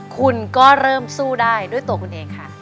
คุณก็เริ่มสู้ได้ด้วยตัวคุณเองค่ะ